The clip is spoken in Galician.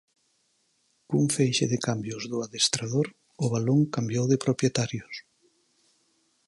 Cun feixe de cambios do adestrador, o balón cambiou de propietarios.